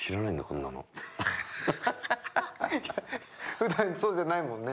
ふだんそうじゃないもんね。